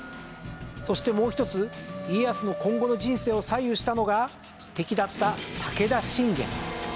そしてもう一つ家康の今後の人生を左右したのが敵だった武田信玄。